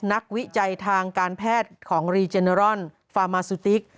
นักวิจัยทางการแพทย์ของรีเจเนอรอนฟามาซูติ๊ก